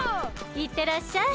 いってらっしゃい。